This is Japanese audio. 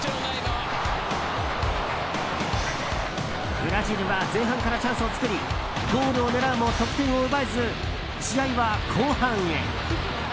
ブラジルは前半からチャンスを作りゴールを狙うも得点を奪えず試合は後半へ。